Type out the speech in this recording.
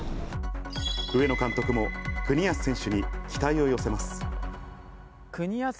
上野監督も國安選手に期待を寄せます。